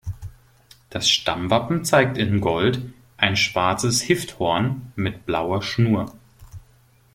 Das Stammwappen zeigt in Gold ein schwarzes Hifthorn mit blauer Schnur.